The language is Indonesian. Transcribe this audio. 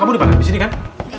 kamu di mana di sini kan